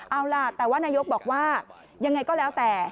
เอาล่ะแต่ว่านายกบอกว่ายังไงก็แล้วแต่